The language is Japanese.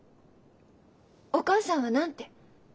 お母さんは何て？